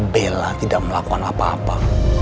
bela tidak melakukan apa apa